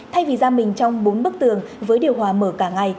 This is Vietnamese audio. thay vì ra mình trong bốn bức tường với điều hòa mở cả ngày